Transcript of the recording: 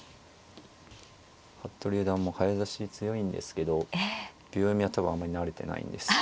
服部四段も早指し強いんですけど秒読みは多分あんまり慣れてないんです。